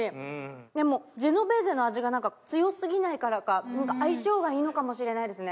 でもジェノベーゼの味が強過ぎないからか相性がいいのかもしれないですね。